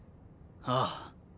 ああ。